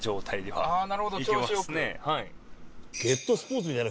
はい。